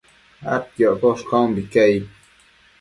adquioccosh caumbique aid